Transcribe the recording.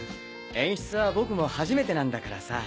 演出は僕も初めてなんだからさ。